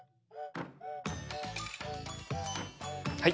はい！